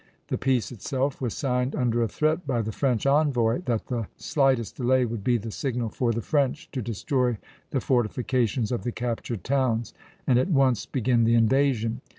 The peace itself was signed under a threat by the French envoy that the slightest delay would be the signal for the French to destroy the fortifications of the captured towns and at once begin the invasion.